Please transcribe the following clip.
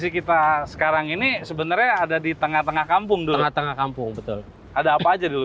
kita sekarang ini sebenarnya ada di tengah tengah kampung di tengah tengah kampung betul ada apa aja dulu